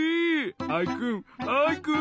アイくんアイくん！